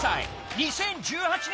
２０１８年